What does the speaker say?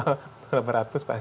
satu pasien itu berapa